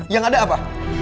yang ada apa